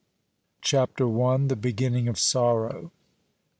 CHAPTER I. THE BEGINNING OF SORROW.